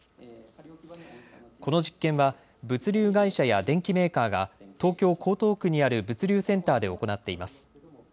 この実験は物流会社や電機メーカーが東京江東区にある物流センターで行っています。